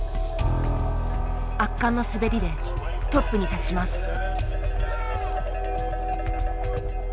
圧巻の滑りでトップに立ちます。